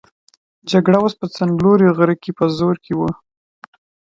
جګړه اوس په څنګلوري غره کې په زور کې وه.